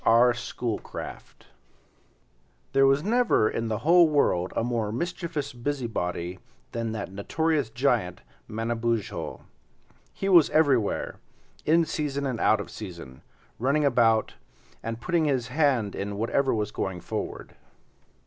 R. Schoolcraft There was never in the whole world a more mischievous busybody than that notorious giant Manabozho. He was everywhere, in season and out of season, running about, and putting his hand in whatever was going forward.